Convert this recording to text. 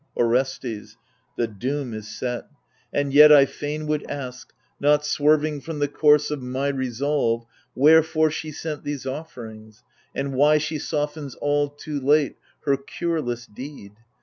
Orestes The doom is set ; and yet I fain would ask — Not swerving from the course of my resolve, — Wherefore she sent these offerings, and why She softens all too late her cureless deed